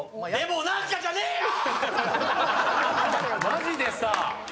マジでさ。